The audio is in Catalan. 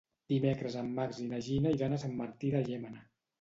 Dimecres en Max i na Gina iran a Sant Martí de Llémena.